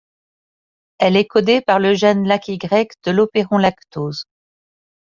Elle est codée par le gène LacY de l'opéron lactose.